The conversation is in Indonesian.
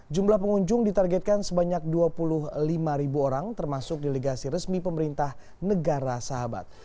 jumlah pengunjung ditargetkan sebanyak dua puluh lima ribu orang termasuk delegasi resmi pemerintah negara sahabat